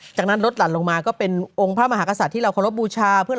จากนั้นลดหลั่นลงมาก็เป็นองค์พระมหากษัตริย์ที่เราเคารพบูชา